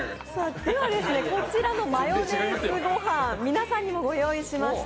では、こちらのマヨネーズご飯、皆さんにもご用意しました。